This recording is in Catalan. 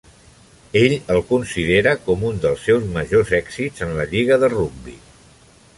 Ell el considera com un dels seus majors èxits en la lliga de rugbi.